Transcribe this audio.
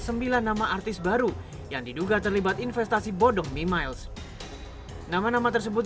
sembilan nama artis baru yang diduga terlibat investasi bodong mimiles nama nama tersebut